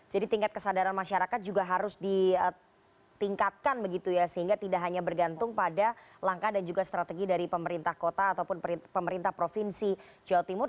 jadi tingkat kesadaran masyarakat juga harus ditingkatkan begitu ya sehingga tidak hanya bergantung pada langkah dan juga strategi dari pemerintah kota ataupun pemerintah provinsi jawa timur